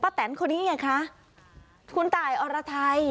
แตนคนนี้ไงคะคุณตายอรไทย